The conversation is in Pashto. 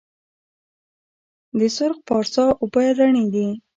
د سرخ پارسا اوبه رڼې دي